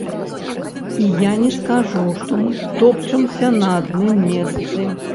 І я не скажу, што мы топчамся на адным месцы.